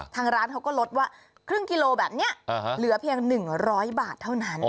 ทางร้านเขาก็ลดว่าครึ่งกิโลแบบนี้เหลือเพียง๑๐๐บาทเท่านั้น